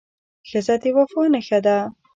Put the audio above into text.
ښځه د وفا نښه ده.